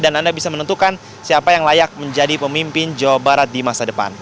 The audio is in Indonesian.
dan anda bisa menentukan siapa yang layak menjadi pemimpin jawa barat di masa depan